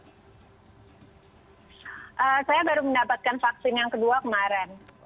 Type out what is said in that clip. saya baru mendapatkan vaksin yang kedua kemarin